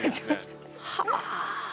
はあ。